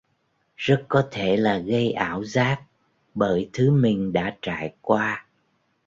Rất có thể là gây ảo giác bởi thứ mình đã trải qua